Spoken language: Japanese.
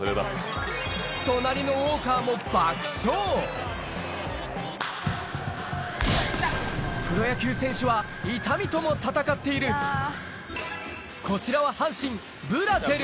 隣のウォーカーもプロ野球選手は痛みとも闘っているこちらはブラゼル！